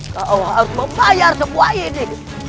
kau harus membayar semua ini